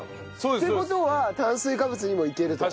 って事は炭水化物にもいけると。